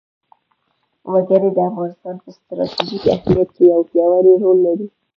وګړي د افغانستان په ستراتیژیک اهمیت کې یو پیاوړی رول لري.